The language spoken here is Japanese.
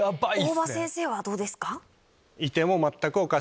大場先生はどうですか？